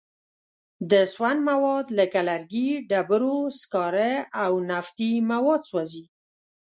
د سون مواد لکه لرګي، ډبرو سکاره او نفتي مواد سوځي.